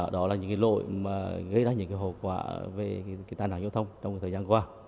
đó là những lỗi mà gây ra những hậu quả về tàn hại giao thông trong thời gian qua